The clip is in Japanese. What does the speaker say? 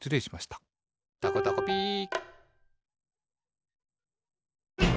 「たこたこピー」